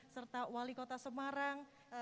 serta wali kota semarang